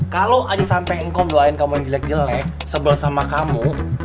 kalau aja sampai engkau doain kamu yang jelek jelek sebel sama kamu